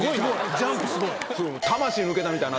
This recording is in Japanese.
ジャンプスゴい。